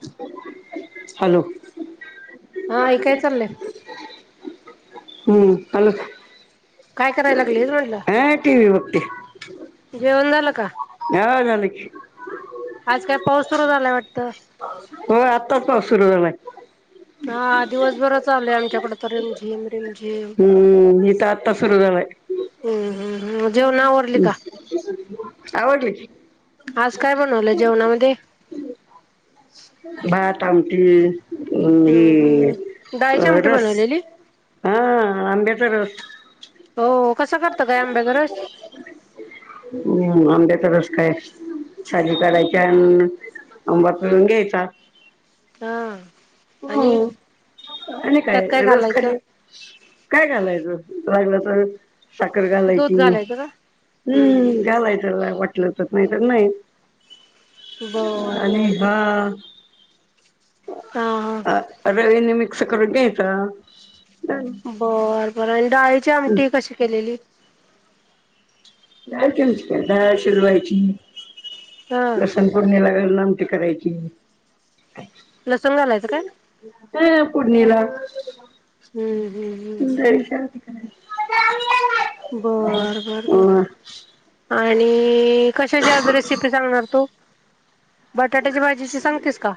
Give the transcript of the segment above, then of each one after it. [inaudible] Hello! हा आई काय चाललंय? हम्म अलोच. काय करायला लागली म्हटल. बघते [inaudible] जेवण झालं का? हा झालं [inaudible] की [inaudible] आज काय पाऊस सुरू झालाय वाटत? हो आत्ताच पाऊस सुरू झालाय. हा दिवसभर चालु आहे आमच्याकड. हम्म इता आता सुर झालाय. हम्म ह, [unintelligible] आवडली की. आज काय बनवलं जेवणामध्ये. भात आमटी हम्म ही हम्म डाळीची आमटी रस. बनवलेली हा आंबेच रस, हो कसं करत काय आंब्याचा रस. [inaudible] हम्म, आंब्याचा रस काय साली कढायच्या अन् आंबा पिळून घ्यायचा. [inaudible] हा हो आणि आणि त्यात काय रस घालायचं खाली, काय घालायचं? लागलं तर साखर दूध घालायची मी घालायचं का हम्म घालायचं ला वाट- नाही तर नाही बर आणि बर हा बर हा, हा अ रवीनी मिक्स करून घ्यायचा. बर-बर आणि डाळीची आमठी डाळ कशी केलेली? डाळ शिजवायची हा लसूण फोडणी ला घालून. आमटी करायची. [inaudible] लसूण घालायचा काय? ह फोडणीला. हम्म हम्म हम्म [unintelligible] [unintelligible] अ बर-बर-बर आणि ए कशांची आज रेसिपी सांगणार तूं बटांट्यांच्या भाजीचं सांगतेस कां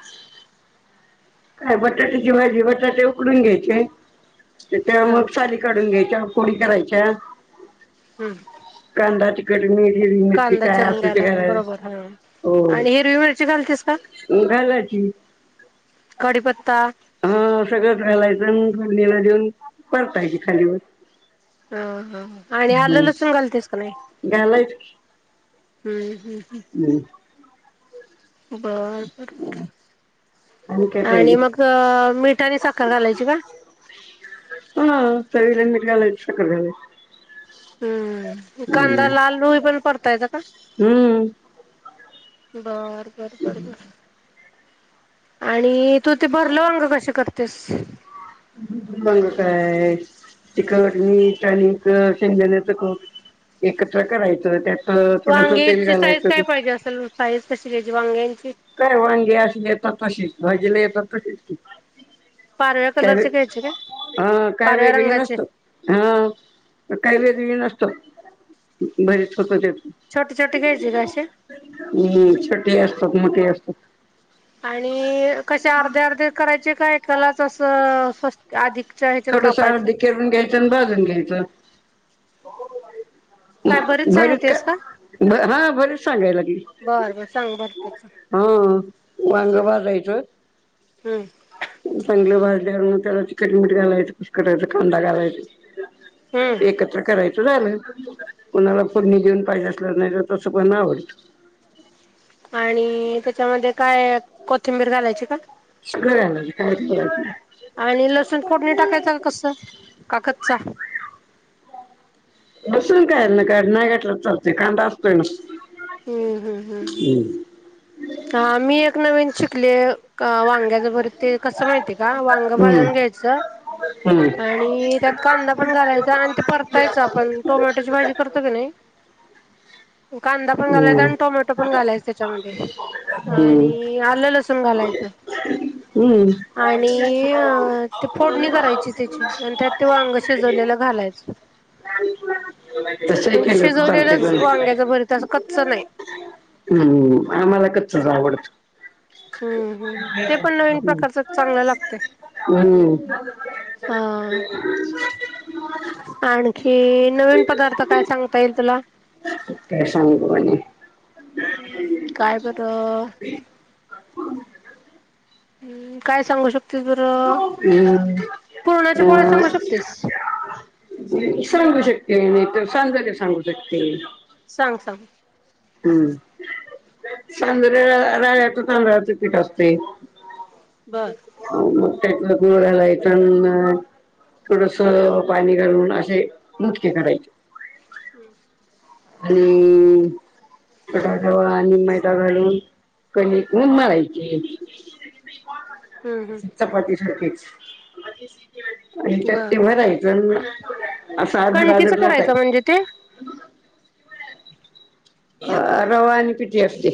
कायं बटाट्यांची भाजी बटाटे उकडूंन घ्यांयचे त्या हा मंग हम्म साली काढूंन घ्यांयच्या फोडी करायंच्यां तांदळाची कंडी मी कांदा चिरून घ्यायला लागेल बरोबर हा. आणि हिरवी मिरची घालतेस का [unintelligible] [unintelligible] घालांयची कडीपत्ता हां सगळं घालायचं फोडणीला देऊन परतायची खालीवर हां ह आणि आलं लसूण हम्म घालतेस का नाही. घालायच [inaudible] हम्म हम्म. बरं बर-बर, काय आणि पाहिजे मग मिठ आणि साखर घालायची का? हा चवीला मीठ घालायच साखर घालायची. हम्म कांदा लाल हूई पर्यत परतायचा का? हम्म बर-बर, बर-बर आणि तू ते भरलं वांग कस करतेस? [unintelligible] तिखट मीठ आणि शेंगदाणा कुठ एकत्र करायचं त्यात थोडस तेल वांग्याची साईज घालायचं काय पाहिजे असल साईज कशी घ्यायची वांग्यांची? काय वांगी अशी येतात तशी भाजेला येतात तशीच की. पारव्या काय कलरची घ्यायची काय? हा काय पारव्या वेगळी रंगाचे नसत हा काही वेगळी नसत. बरीच होत त्यात छोटे छोटे घ्यायचे का असे हम् छोटी ही असतात. ती असतात. आणि कशे अर्धे अर्धे करायचे का ऐकालाच असं स्वस्त अधिकच्या ह्याच्यात थोडस कापायचं अर्धे चिरून घ्यायचं आणि भाजून घ्यायचं. हो. काय भरीत सांगतेस का? हा भरीत सांगाय लागली. बरं बर सांग बर त्याच हो वांग भाजायच. हम्म चांगल भाजल्यावर मग त्याला तिखट मीठ घालायचं कुस्कटायचं कांदा घालायचं. हम्म एकत्र करायच. तर झाल कोणाला फोडणी देऊन पाहिजे असलं नाही तर तस पण आवडत. आणि त्याच्यामध्ये काय कोथिंबीर घालायची का? घरी आल्यावरती काय करायचं. आणि लसूण फोडणी टाकायच का कस का कच्चा. लसूण काय नाही काय नाय घातला चालतोय कांदा असतोय ना. हम्म हम्म हम्म हा मी एक नवीन शिकत. आपले वांग्याच भरीत ते कसं माहितीय का वांग भाजून घ्यायचं. हम्म आणि त्यात कांदा पण घालायचा आणि ते परतायच आपण टोमॅटोची भाजी करतो की नाही. कांदा पण घालायचा हम्म आणि टोमॅटो पण घालायच त्याच्यामध्ये हम्म आणि आलं लसूण घालायचं. हम्म आणि ते फोडणी करायची त्याची त्यात ते वांग शिजवलेलं. घालायचं तसंही म्हणजे केलं तर चालतंय शिजवलेलंच पण वांग्याचं भरीत असं. कच्च नाही हम्म आम्हाला कच्चच आवडतं. हम्म हम् ते पण नवीन हम्म प्रकारच चांगलं लागतय. हम्म हा [unintelligible] आणखी नवीन पदार्थ काय सांगता येईल तुला काय सांगू आणि ह् काय बरं अ. हम् काय सांगू शकतो. ते जर हम्म पुरणाच्या पोळ्या सांगू अ शकतेस. सांगू शकते नाही तर सांज्र भी सांगू शकते. सांग सांग हम्म सांज्र राव्याच तांदळाच पीठ असतय. बर. त्याच्यात गूळ घालायचं आणि थोडस पाणी घालून असं. मग ते करायचे आणि बटाटा व आणि मैदा घालून कणीक तेन मळायची. असं हम्म चपाती सारखेच. ह्याच्यात बर ते भरायचं आणि असं आदर कणकीच आदर करायचं लाटायचं. म्हणजे ते [unintelligible] अ रवा आणि पिठी असते.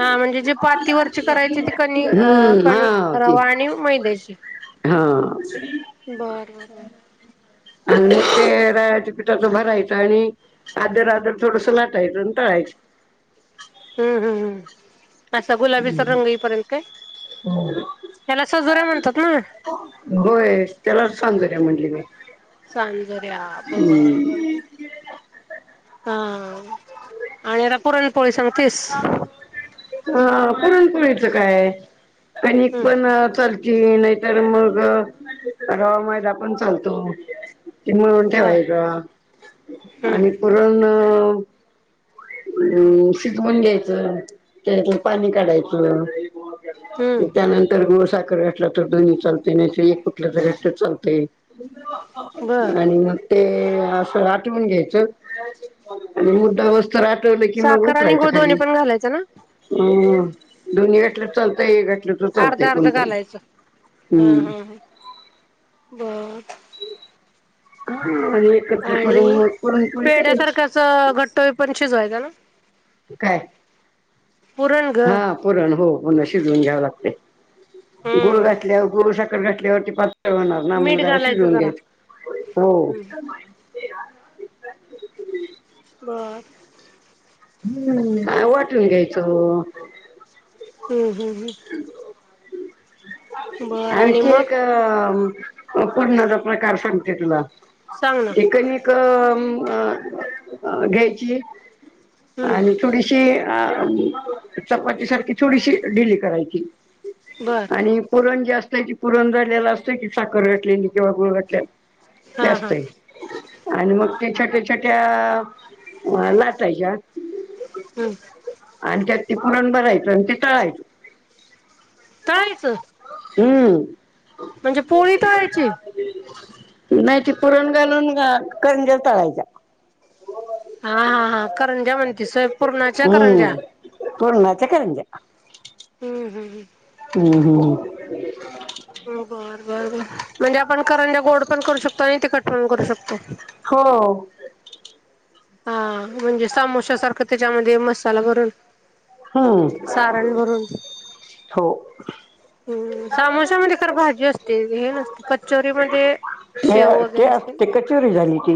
हा म्हणजे जे पातीवरची करायची ती कणी अ हम्म कणी हा ती रवा आणि मैद्याची हा. बर बर बर पिठात भरायचं आणि आदर आदर थोडस लाटायचं आणि तळायचं. हम्म हम् हम् असा गुलाबीचा रंग येई पर्यंत काय? त्याला सजोऱ्या म्हणतात ना व्हय त्याला सांग. वगैरे म्हटली का? सांजोऱ्या बरोबर. आणि आता पुरण पोळी सन. ह पुरणपुळीच काय आहे. कणिक हम्म पण चालती नाहीतर मग रवा मैदा पण चालतो क मिळून ठेवाय बर ग. हम्म आणि पुरण शिकवून घ्यायचं त्यात पाणी काढायचं. हम्म त्यानंतर गोळसाखर असला. तर दोन्ही चाल. दोन्हीपैकी एक कुठलं तरी चालतंय बर आणि मग ते असं आठवून घ्यायचं मुरदर होस्तवर आठवलं की मग साखर य आणि गुळ दोन्ही खालीम पण घालायचं ना दोन्ही गटलं चालतंयट. तर अर्ध करते अर्ध कोणतही घालायचं हा हम्. हा ह बर आणि एकत्र आणि करून पुरणपोळी करायची. पेढ्यासारखाच घट्टोई पण शिजवायचा ना काय पुरण ग हा पुरण हो शिजवून घ्यावं लागते. गुळ हम्म घातल्यावर गुळ साखर घातल्यावरती पातळ होणार ना मग मीठ त्याला घालायचं शिजवून जरा घ्यायच. हो. हम्म बर. हम्म वाटून घ्यायच. हम्म हम्म हम्म बर आणि आणखी एक मग पुरणाचा प्रकार सांगते तुला. सांग ना एकन एक अ घ्यायची. हम्म आणि थोडीशी अ चपाती सारखी थोडीशी ढिली करायची. बर आणि पुरण जास्त. त्या पुरण झालेल असतं की साखर घातलेली किंवा गुळ घातलेला. हा हा जास्त आहे. आणि मग ते छोट्या छोट्या लाटायच्या हम्म आणि त्यात ते पुरण भरायच. आणि ते तळायचं. तळायचं. हम्म म्हणजे पोळी तळायची नाही ती पुरण घालून करंज्या तळायच्या. हा हा हा करंज्या म्हणतीस वय. पुरणाच्या करंज्या. हम्म पुरणाच्या करंज्या. हम्म हम्म हम्म हम्म हम्म हम्म बर बर बर. म्हणजे आपण करंजा गोड पण करू शकतो. आणि तिखट पण करू शकतो. हो. हा म्हणजे समोसा सारखं त्याच्यामध्ये मसाला भरून. हम्म सारण भरून. हो. हम्म सामोशामध्ये तर भाजी असते. हे नसते कचोरी मध्ये ते ते अस ते कचोरी झाली ती.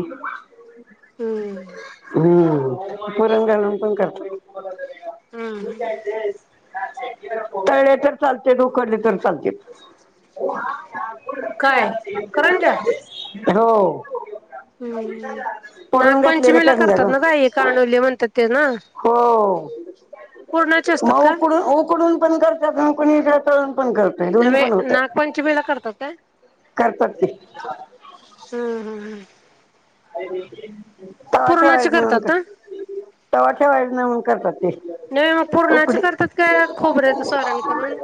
हम्म हम्म पुरण घालून पण करता. हम्म तळले तर चालते. उकडले तर चालतेत. काय करंजा हो. हम्म हम्म पुरण घातलेले नागपंचमीला करंज्या करतात ना ग हे कानोले म्हणतात ते ना. हो पूर्णाचे असतात मग का? उकडून उकडून पण करत्यात कोणीकड नव्हे. नागपंचमीला करतात का? करतात ते हम्म हम्म हम्म तवा पूर्णाचे ठेवायचा नाही म्हणून करतात कर ना? तवा ठेवायचं नाही म्हणून करतात. ते नाही मग पूर्णाचे उकडी करतात का खोबऱ्याचं सोरण करून?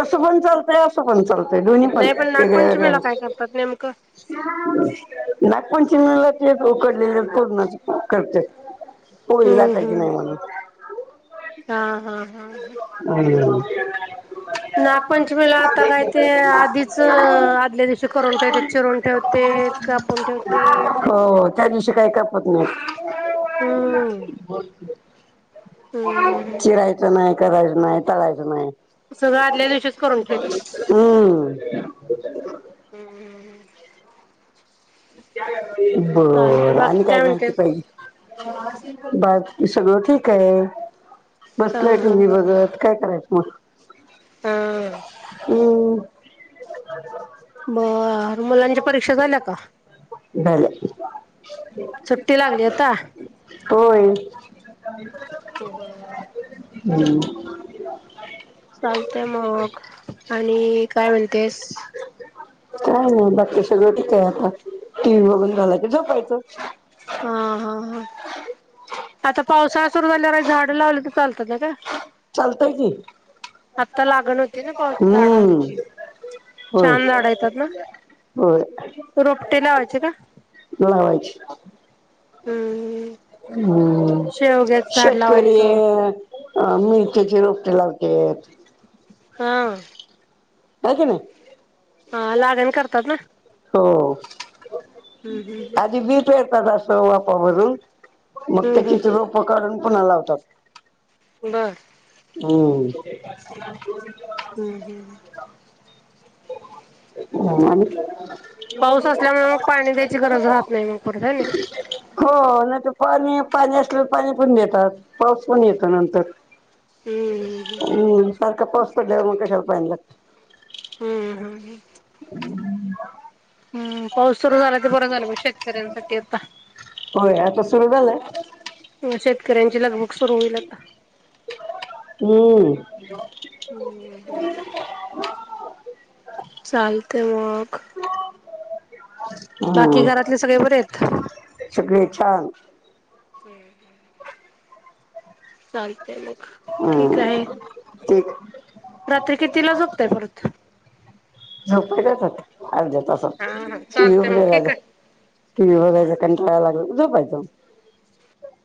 तसं पण चालतंय असं पण चालत. दोन्ही पण नाही वेगळ्या वेगळ्या नागपंचमीला काय होत. करतात नेमकं? उकडलेले पुरणाचे पण करत्यात. पोळी हम्म लाटायची हम्म. नाही म्हणून. हा हा हा हा हम्म. [inaudible] नागपंचमीला आता काय ते आधीच आदल्या दिवशी करून ठेवतेत. चिरूण ठेवतेत. कापुन ठेवतेत. हो त्या दिवशी काही कापत नाही. हम्म हम्म हम्म हम्म चिरायचं नाही. करायचं नाही. तळायचं नाही. सगळं आदल्या दिवशीच करून ठेवतेत. हम्म हम्म हम्म हम्म बर आणि बाकी काय माहिती म्हणतेस? पाहिजे. बा सगळं ठीक आहे. हा बसलंय टी हा व्ही हा. बघत काय करायचं मग. हा हम्म बर मुलांच्या परीक्षा झाल्या का बले सुट्टी लागली आता होय होबा हम्म चालतेय मग आणि काय मिळतेस काय नाही बाकी सगळं टठीकय आता टी व्ही बघून घालाय क झपायचं हा हा हा आता पावसाळा सुरू झाल्यावर झाडं लावले तर चालतात ना का चालतंय की आत्ता लागण होती ना पाऊस हम्म. झाडांची छान झाडं येतात ना रोपटे लावायचे का? वाज हम्म हम्म शेवग्याच झाड शेतकरी लावायचं अ मिरचीची रोपटी लावते हा नाही क नाही हा लागण करतात ना हो हम्म हम्म आधी बीच येतात अस वापावररून मग हम्म त्याचीत हम्म रोपं करढून पुणालातात बर हम् हम्म हम्म ह पाऊस असल्यामुळे मग पाणी द्यायची गरज राहत नाही मग परत हाय नी हो नाही तरर पाणी पाणी असलं पाणी पण देतात पाऊस पण येतो नंतर हम्म हम् हम्म कपास प म कशावर पाला हम्म हम ह हम् हम्म पाऊस सुरू झाला ते बरं झालं म शेतकऱ्यांसाठी आता दरबला आहे शेतकऱ्यांची लगभग सुरू होईल आता हम्म हम्म चालते मग बाकी हम्म घरातले सगळे बरे आहेत सगळे छान चालतेय मग ठीक आहे हम्म ते रात्री कितीला जपतय परत झोपतच होते अर्ध्या तासत हा हा त चालतय उमरे मग वला ठीक आहे. टी व्ही बघायच काण टाळायला लागल उद पाहिजो